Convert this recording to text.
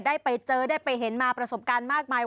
ได้ไปเจอได้ไปเห็นมาประสบการณ์มากมาย